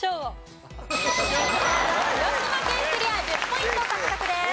１０ポイント獲得です。